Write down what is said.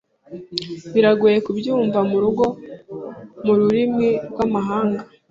Biragoye kubyumva murugo mururimi rwamahanga.